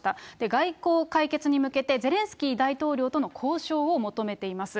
外交解決に向けて、ゼレンスキー大統領との交渉を求めています。